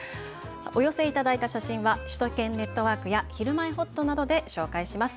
お寄せいただいた写真は首都圏ネットワークやひるまえほっとなどで紹介します。